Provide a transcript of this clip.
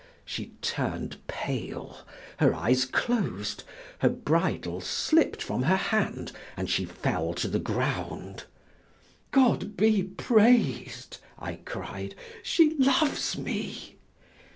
She turned pale, her eyes closed, her bridle slipped from her hand and she fell to the ground. "God be praised!" I cried, "she loves me!"